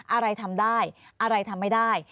อะไรทำได้อะไรทำไม่ได้